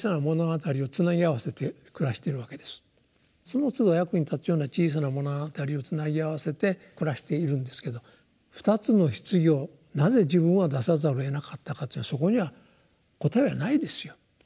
そのつど役に立つような「小さな物語」をつなぎ合わせて暮らしているんですけど「２つの棺をなぜ自分は出さざるをえなかったか」っていうのはそこには答えはないですよ。